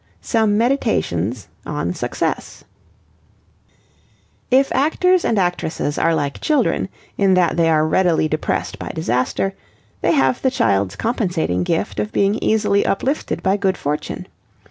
SOME MEDITATIONS ON SUCCESS If actors and actresses are like children in that they are readily depressed by disaster, they have the child's compensating gift of being easily uplifted by good fortune.